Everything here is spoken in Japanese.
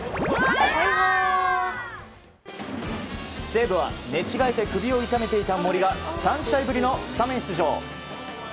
西武は寝違えて首を痛めていた森が３試合ぶりのスタメン出場。